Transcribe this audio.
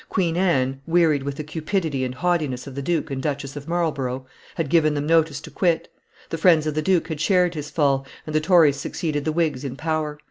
Queen Anne, wearied with the cupidity and haughtiness of the Duke and Duchess of Marlborough, had given them notice to quit; the friends of the duke had shared his fall, and the Tories succeeded the Whigs in power.